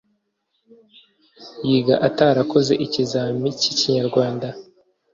yiga atarakoze ikizamini cyi Kinyarwanda,